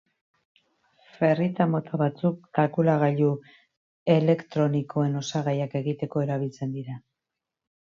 Ferrita-mota batzuk kalkulagailu elektronikoen osagaiak egiteko erabiltzen dira.